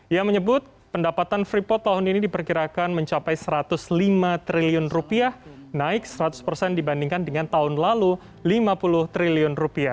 ia menyebut pendapatan freeport tahun ini diperkirakan mencapai rp satu ratus lima triliun naik seratus persen dibandingkan dengan tahun lalu rp lima puluh triliun